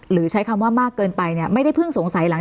หรือใช้คำมากเกินไปเนี่ยไหม